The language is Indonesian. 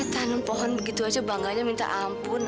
tanam pohon begitu aja bangganya minta ampun